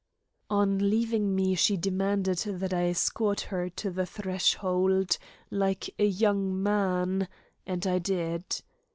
On leaving me she demanded that I escort her to the threshold, like a young man; and I did.